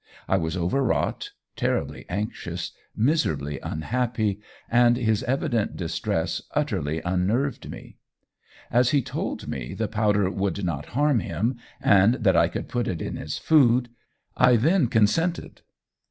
I was over wrought, terribly anxious, miserably unhappy, and his evident distress utterly unnerved me. As he told me the powder would not harm him, and that I could put it in his food, I then consented.